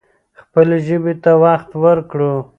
خپلې ژبې ته وخت ورکړو.